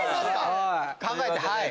考えてはい。